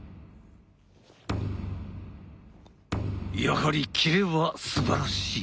やはりキレはすばらしい。